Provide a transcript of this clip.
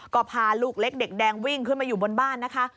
ก็พาลูกเล็กเด็กแดงวิ่งขึ้นมาอยู่บนบ้านนะคะ